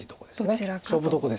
どちらかと。